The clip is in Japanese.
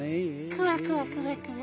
クワクワクワクワ。